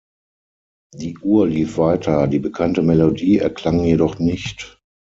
Die Uhr lief weiter, die bekannte Melodie erklang jedoch nicht.